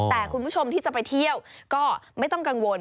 แต่คุณผู้ชมที่จะไปเที่ยวก็ไม่ต้องกังวล